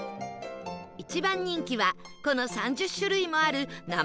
一番人気はこの３０種類もある生クリーム大福